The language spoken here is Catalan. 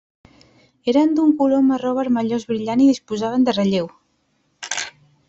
Eren d'un color marró vermellós brillant i disposaven de relleu.